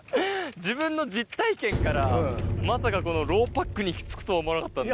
自分の実体験からまさかロウパックに行き着くとは思わなかったんで。